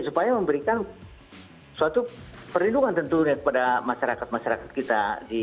supaya memberikan suatu perlindungan tentunya kepada masyarakat masyarakat kita